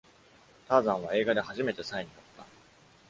ターザンは映画で初めてサイに乗った。